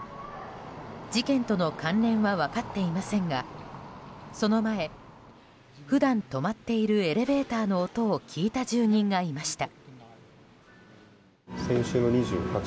事件との関連は分かっていませんがその前、普段止まっているエレベーターの音を聞いた住人がいました。